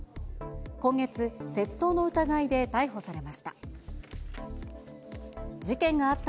今月、窃盗の疑いで逮捕されました。